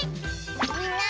みんな！